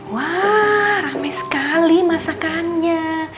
wah rame sekali masakannya